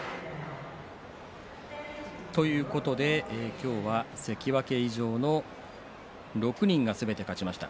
今日は関脇以上の６人がすべて勝ちました。